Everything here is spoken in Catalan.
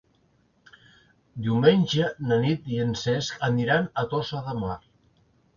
Diumenge na Nit i en Cesc aniran a Tossa de Mar.